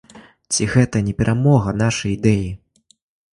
Ці гэта не перамога нашай ідэі?